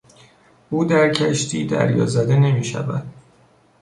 او در کشتی دریازده نمیشود.